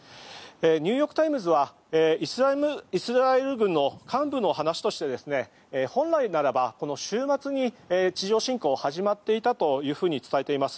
ニューヨーク・タイムズはイスラエル軍の幹部の話として本来ならば週末に地上侵攻が始まっていたと伝えています。